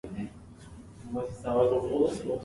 Auden, Gerald Heard, and Olaf Stapledon.